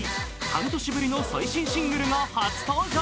半年ぶりの最新シングルが初登場。